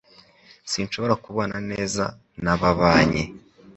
Sinshobora kubana neza nababanyi